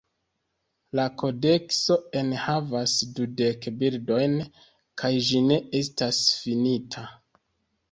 La kodekso enhavas dudek bildojn kaj ĝi ne estas finita.